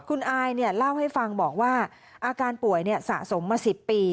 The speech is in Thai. คุณอายเล่าให้ฟังบอกว่าอาการป่วยสะสมมา๑๐ปี